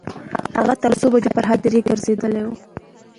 هغه تر څو بجو په هدیرې ګرځیدلی و.